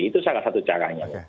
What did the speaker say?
itu salah satu caranya